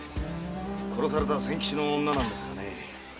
殺された仙吉の女なんですがね